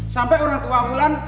sampai orang tua umlan